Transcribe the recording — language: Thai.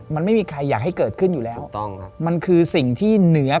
มันไม่มีใครอยากให้เกิดขึ้นอยู่แล้วถูกต้องครับมันคือสิ่งที่เหนือ